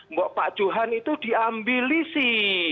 mbok pak johan itu diambil isi